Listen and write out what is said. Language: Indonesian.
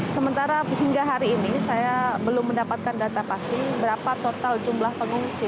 sementara hingga hari ini saya belum mendapatkan data pasti berapa total jumlah pengungsi